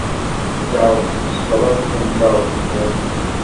যাও সবার ফোন দাও, ফোন!